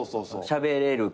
しゃべれるから。